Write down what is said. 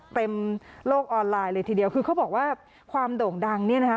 โลกออนไลน์เลยทีเดียวคือเขาบอกว่าความโด่งดังเนี่ยนะคะ